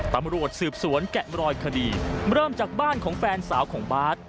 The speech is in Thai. ตำรวจสืบสวนแกะมรอยคดีเริ่มจากบ้านของแฟนสาวของบาร์ด